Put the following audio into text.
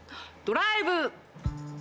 ドライブ！